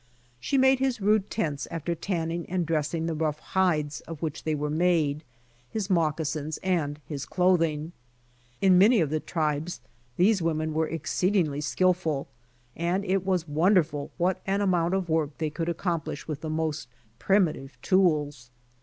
She made his rude tents after tanning and dressing the rough hides of which they were made, his mocca sins and his clothing. In many of the tribes these women were exceedingly skillful, and it was wonderful what an amount of work they could accomplish with the most primitive tools.